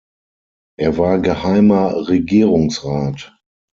Er war Geheimer Regierungsrat.